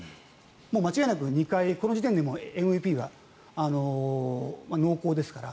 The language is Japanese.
間違いなく２回、この時点でＭＶＰは濃厚ですから。